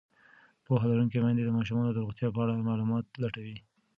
پوهه لرونکې میندې د ماشومانو د روغتیا په اړه معلومات لټوي.